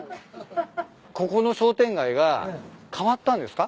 ここの商店街が変わったんですか？